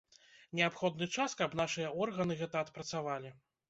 Неабходны час, каб нашыя органы гэта адпрацавалі.